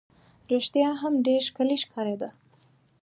رښتیا هم ډېره ښکلې ښکارېده.